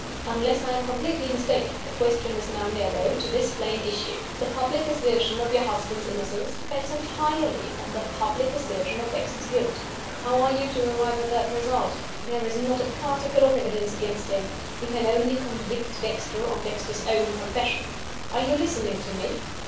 Unless I am completely mistaken, the question is now narrowed to this plain issue: The public assertion of your husband's innocence depends entirely on the public assertion of Dexter's guilt. How are you to arrive at that result? There is not a particle of evidence against him. You can only convict Dexter on Dexter's own confession. Are you listening to me?"